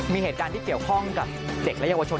มีเหตุการณ์ที่เกี่ยวข้องกับเด็กและเยาวชน